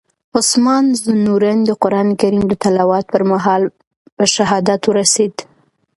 عثمان ذوالنورین د قرآن کریم د تلاوت پر مهال په شهادت ورسېد.